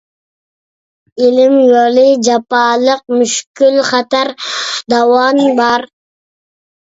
ئىلىم يولى جاپالىق، مۈشكۈل خەتەر داۋان بار.